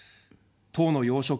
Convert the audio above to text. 党の要職。